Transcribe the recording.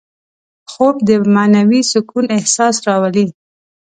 خوب د معنوي سکون احساس راولي